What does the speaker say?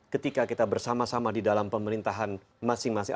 ketika kita bersama sama di dalam pemerintahan masing masing